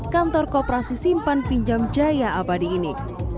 kantor kooperasi simpan pinjam jaya abadi ini